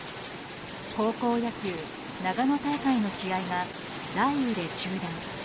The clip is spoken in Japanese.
高校野球長野大会の試合が雷雨で中断。